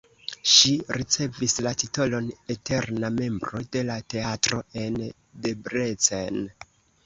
Ŝi ricevis la titolon eterna membro de la teatro en Debrecen.